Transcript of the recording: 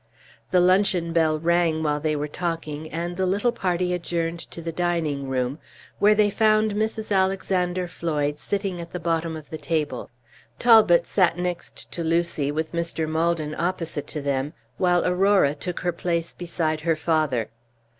The luncheon bell rang while they were talking, and the little party adjourned to the dining room, where they found Mrs. Alexander Floyd sitting at the bottom of the table. Talbot sat next to Lucy, with Mr. Maldon opposite to them, while Aurora took her place beside her father.